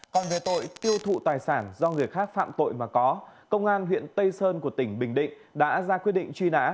còn về tội tiêu thụ tài sản do người khác phạm tội mà có công an huyện tây sơn của tỉnh bình định đã ra quyết định truy nã